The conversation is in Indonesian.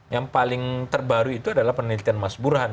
yang paling terbaru itu adalah penelitian mas burhan